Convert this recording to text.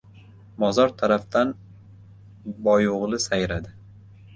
Mozor tarafdan boyo‘g‘li sayradi.